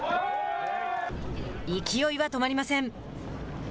勢いは止まりません。